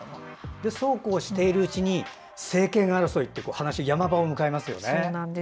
そうこうしているうちに政権争いという山場を迎えますよね。